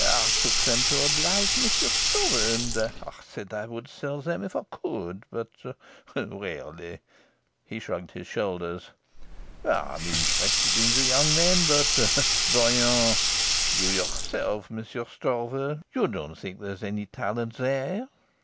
I took them to oblige Monsieur Stroeve, and I said I would sell them if I could. But really " He shrugged his shoulders. "I'm interested in the young men, but , you yourself, Monsieur Stroeve, you don't think there's any talent there."